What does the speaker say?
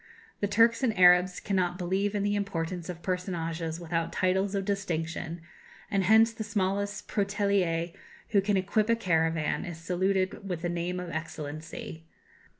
The Turks and Arabs cannot believe in the importance of personages without titles of distinction; and hence the smallest prolétaire who can equip a caravan is saluted with the name of excellency.